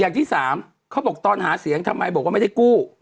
อย่างที่สามเขาบอกตอนหาเสียงทำไมบอกว่าไม่ได้กู้